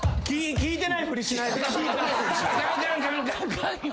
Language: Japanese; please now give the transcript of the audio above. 聞いてないふりしないと。